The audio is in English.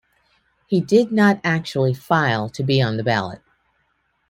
He did not actually file to be on the ballot.